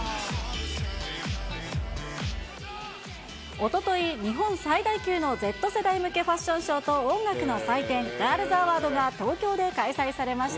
おととい、日本最大級のＺ世代向けファッションショーと音楽の祭典、ガールズアワードが東京で開催されました。